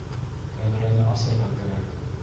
Тәҙрәне асырға кәрәк!